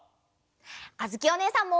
あづきおねえさんも！